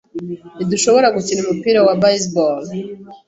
Ntidushobora gukina umupira wa baseball hano.